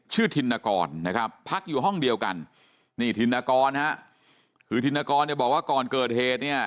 ชื่อทินกรนะครับพักอยู่ห้องเดียวกันนี่ทินกรนะครับคือทินกรบอกว่าก่อนเกิดเหตุเนี่ย